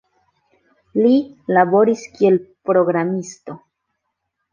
Li laboris kiel programisto.